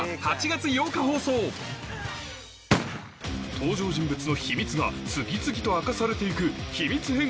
登場人物の秘密が次々と明かされていく